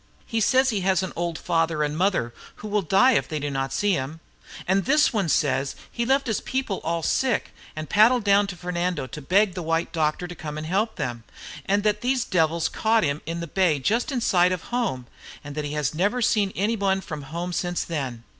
He says he has an old father and mother who will die if they do not see him. And this one says he left his people all sick, and paddled down to Fernando to beg the white doctor to come and help them, and that these devils caught him in the bay just in sight of home, and that he has never seen anybody from home since then.